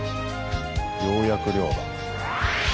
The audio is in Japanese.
ようやく漁だ。